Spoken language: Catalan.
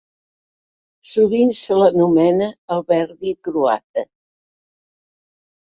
Sovint se l'anomena el Verdi croata.